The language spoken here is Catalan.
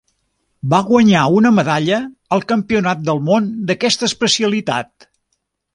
Va guanyar una medalla al Campionat del món d'aquesta especialitat.